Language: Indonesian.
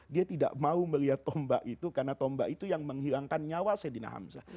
dia tidak mau melihat tombak itu karena tombak itu yang menghilangkan nyawa sayyidina hamzah